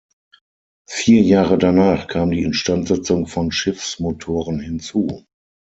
Vier Jahre danach kam die Instandsetzung von Schiffsmotoren hinzu.